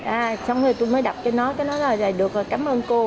à xong rồi tôi mới đọc cho nó nó nói là được cảm ơn cô